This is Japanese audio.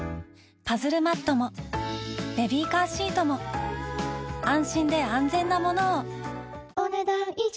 パズルマットもベビーカーシートも安心で安全なものをお、ねだん以上。